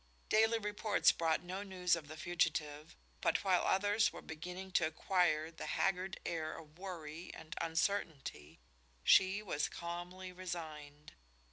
Daily reports brought no news of the fugitive, but while others were beginning to acquire the haggard air of worry and uncertainty, she was calmly resigned.